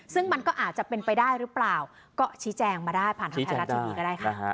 ซึ่งมันก็อาจจะเป็นไปได้หรือเปล่าก็ชี้แจงมาได้ผ่านทางไทยรัฐทีวีก็ได้ค่ะ